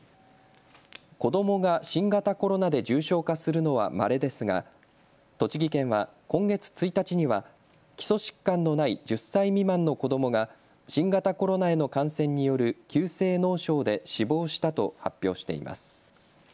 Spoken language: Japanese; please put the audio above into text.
子どもが新型コロナで重症化するのはまれですが栃木県は今月１日には基礎疾患のない１０歳未満の子どもが新型コロナへの感染による急性脳症で死亡したと発表しています。